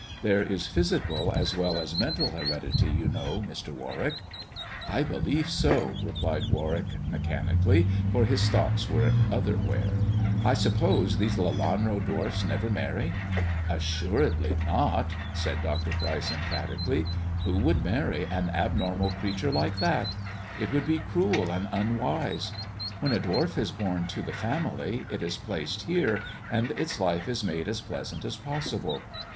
There is physical as well as mental heredity, you know, Mr. Warwick." I believe so," replied Warwick mechanically, for his thoughts were otherwhere. "I suppose these Lelanro dwarfs never marry." "Assuredly not," said Dr. Pryce emphatically. "Who would marry an abnormal creature like that 1 It would be cruel and unwise. When a dwarf is bom to the family it is placed here, and its life is made as pleasant as possible.